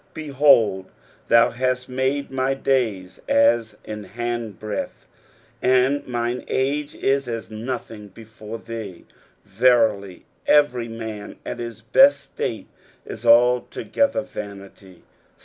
5 Behold, thou hast made my daysa.ian handbreadth ; and mine age is as nothing before thee : verily every man at his best state is altogether vanity.